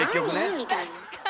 みたいな。